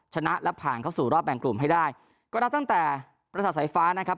ชนะและผ่านเข้าสู่รอบแบ่งกลุ่มให้ได้ก็นับตั้งแต่ประสาทสายฟ้านะครับ